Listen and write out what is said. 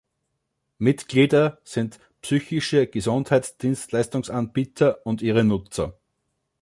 Mitglieder sind psychische Gesundheitsdienstleistungsanbieter und ihre Nutzer.